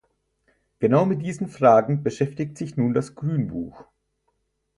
Genau mit diesen Fragen beschäftigt sich nun das Grünbuch.